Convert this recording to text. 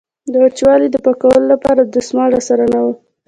د وچولې د پاکولو لپاره دستمال را سره نه و.